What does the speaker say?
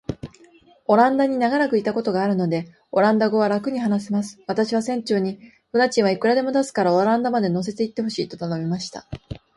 オランダに長らくいたことがあるので、オランダ語はらくに話せます。私は船長に、船賃はいくらでも出すから、オランダまで乗せて行ってほしいと頼みました。